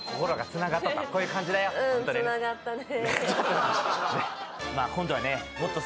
うん、つながったね。